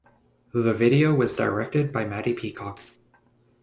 The video was directed by Matty Peacock.